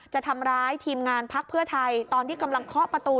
จะทำร้ายทีมงานพักเพื่อไทยตอนที่กำลังเคาะประตู